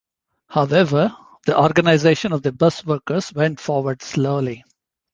However, the organisation of the bus workers went forward slowly.